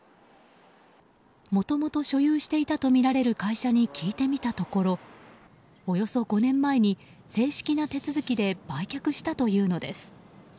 もともと所有していたとみられる会社に聞いてみたところおよそ５年前に正式な手続きで売却したというのです。